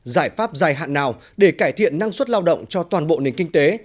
giải pháp dài hạn nào để cải thiện năng suất lao động cho toàn bộ nền kinh tế